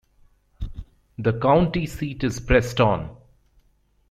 The county seat is Preston.